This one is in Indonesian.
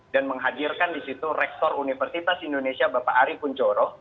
dan menghadirkan di situ rektor universitas indonesia bapak ari puncoro